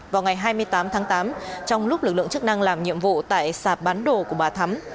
vào ngày hai mươi tám tháng tám trong lúc lực lượng chức năng làm nhiệm vụ tại sạp bán đồ của bà thắm